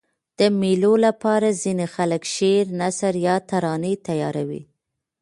د مېلو له پاره ځيني خلک شعر، نثر یا ترانې تیاروي.